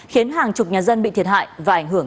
khiến hàng chục nhà dân bị thiệt hại và ảnh hưởng